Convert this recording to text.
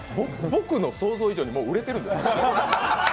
僕の想像以上にもう売れてるんです。